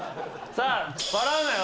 さあ笑うなよ